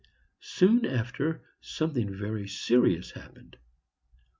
Soon after, something very serious happened.